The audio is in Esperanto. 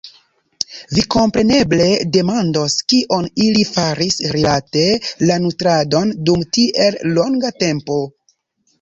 Vi kompreneble demandos, kion ili faris rilate la nutradon dum tiel longa tempo?